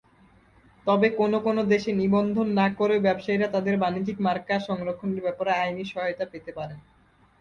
তবে কোনও কোনও দেশে নিবন্ধন না করেও ব্যবসায়ীরা তাদের বাণিজ্যিক মার্কা সংরক্ষণের ব্যাপারে আইনি সহায়তা পেতে পারেন।